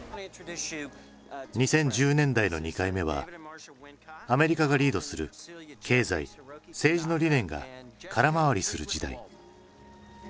２０１０年代の２回目はアメリカがリードする経済政治の理念が空回りする時代。